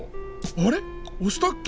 あれおしたっけ？